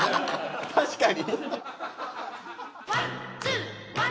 確かに。